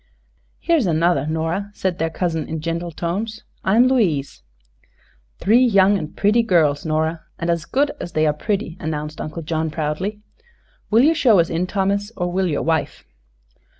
"Here is another, Nora," said their cousin, in gentle tones. "I am Louise." "Three young and pretty girls, Nora; and as good as they are pretty," announced Uncle John, proudly. "Will you show us in, Thomas, or will your wife?"